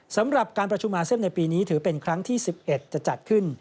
สำหรับการประชุมอาเซียนในปีนี้ถือเป็นครั้งที่๑๑จะจัดขึ้น